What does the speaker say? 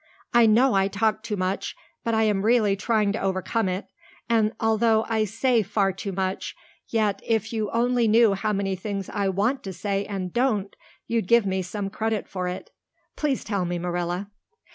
I know I talk too much, but I am really trying to overcome it, and although I say far too much, yet if you only knew how many things I want to say and don't, you'd give me some credit for it. Please tell me, Marilla."